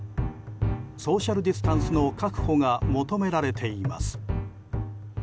ソーシャルディスタンスの確保が求められています。